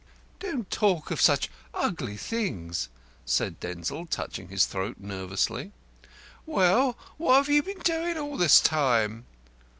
"Don't talk of such ugly things," said Denzil, touching his throat nervously. "Well, what have you been doin' all this time?"